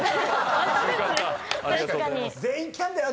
全員来たんだよ？